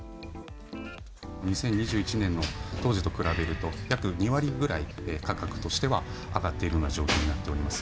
２０２１年の当時と比べると約２割ぐらい、価格としては上がっているような状況になっております。